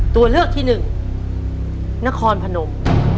ตัวเลือกที่หนึ่งนครพนม